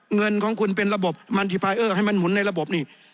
เงินของคุณเป็นระบบให้มันหมุนในระบบนี่